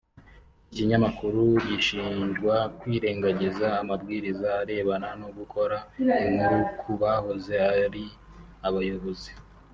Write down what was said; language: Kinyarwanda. Iki kinyamakuru gishinjwa kwirengagiza amabwiriza arebana no gukora inkuru ku bahoze ari abayobozi